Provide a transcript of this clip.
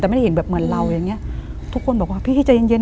แต่ไม่ได้เห็นแบบเหมือนเราอย่างเงี้ยทุกคนบอกว่าพี่ใจเย็นเย็น